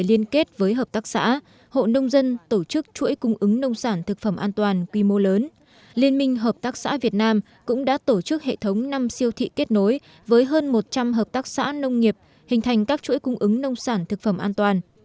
liên minh hợp tác xã việt nam cũng đã tổ chức hệ thống năm siêu thị kết nối với hơn một trăm linh hợp tác xã nông nghiệp hình thành các chuỗi cung ứng nông sản thực phẩm an toàn